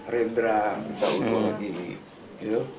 rembrandt misalnya untuk lagi gitu